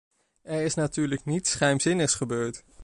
Er is natuurlijk niets geheimzinnigs gebeurd.